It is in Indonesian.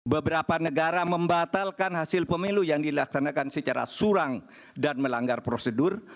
beberapa negara membatalkan hasil pemilu yang dilaksanakan secara surang dan melanggar prosedur